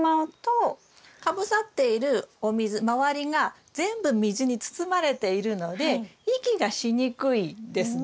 かぶさっているお水周りが全部水に包まれているので息がしにくいんですね。